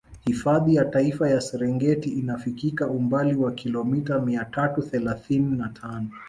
Hifadhi ya Taifa ya Serengeti inafikika umbali wa kilomita mia tatu thelathini na tano